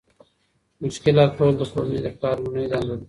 مشکل حل کول د کورنۍ د پلار لومړنۍ دنده ده.